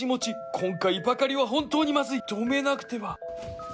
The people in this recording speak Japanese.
今回ばかりは本当にまずい、止めなくては。